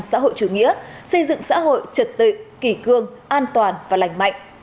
xã hội chủ nghĩa xây dựng xã hội trật tự kỷ cương an toàn và lành mạnh